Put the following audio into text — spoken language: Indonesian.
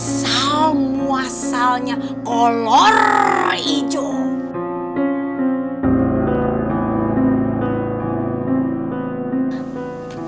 salmu asalnya kolor hijau